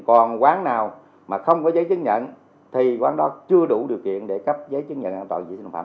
còn quán nào mà không có giấy chứng nhận thì quán đó chưa đủ điều kiện để cấp giấy chứng nhận an toàn vệ sinh thực phẩm